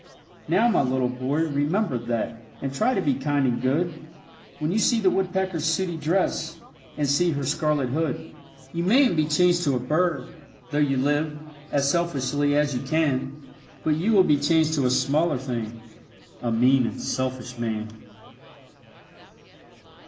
Now, my little boy, remember that, And try to be kind and good, When you see the woodpecker's sooty dress, And see her scarlet hood. You mayn't be changed to a bird, though you live As selfishly as you can; But you will be changed to a smaller thing A mean and a selfish man.